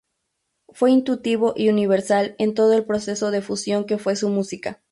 Fue intuitivo y universal en todo el proceso de fusión que fue su música.